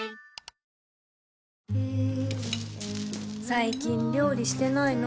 最近料理してないの？